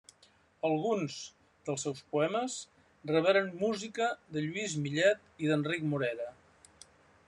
Alguns dels seus poemes reberen música de Lluís Millet i d'Enric Morera.